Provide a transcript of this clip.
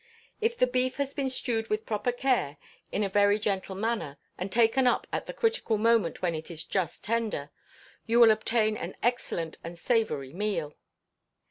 If the beef has been stewed with proper care, in a very gentle manner, and taken up at 'the critical moment when it is just tender,' you will obtain an excellent and savoury meal."